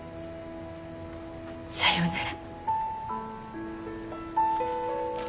さようなら。